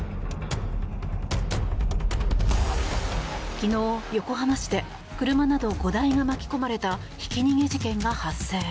昨日、横浜市で車など５台が巻き込まれたひき逃げ事件が発生。